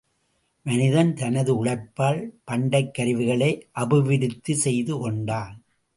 மனிதன் தனது உழைப்பால் பண்டைக் கருவிகளை அபிவிருத்தி செய்து கொண்டான்.